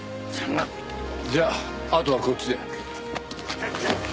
じゃああとはこっちで。